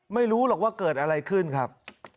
ไม่รู้หรอกว่าเกิดอะไรขึ้นครับ